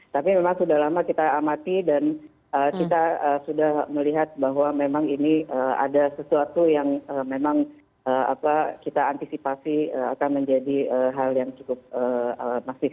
tapi memang sudah lama kita amati dan kita sudah melihat bahwa memang ini ada sesuatu yang memang kita antisipasi akan menjadi hal yang cukup masif